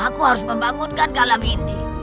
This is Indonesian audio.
aku harus membangunkan kalamindi